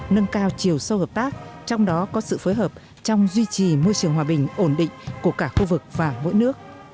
nâng cao chiều sâu hợp tác trong đó có sự phối hợp trong duy trì môi trường hòa bình ổn định của cả khu vực và mỗi nước